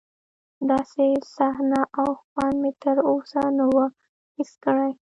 داسې صحنه او خوند مې تر اوسه نه و حس کړی.